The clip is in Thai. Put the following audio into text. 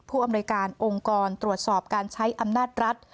อำนวยการองค์กรตรวจสอบการใช้อำนาจรัฐ